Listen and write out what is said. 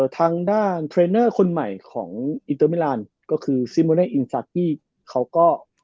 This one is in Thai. ทางด้านเทรนเนอร์คนใหม่ของอินเตอร์มิลานก็คือซิโมเนคอินซากี้เขาก็